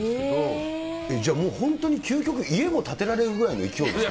もう、本当に究極、家も建てられるぐらいの勢いですか？